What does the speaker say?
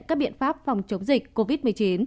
các biện pháp phòng chống dịch covid một mươi chín